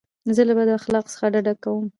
زه له بد اخلاقو څخه ډډه کوم.